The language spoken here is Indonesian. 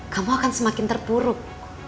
kamu akan semakin terpuruk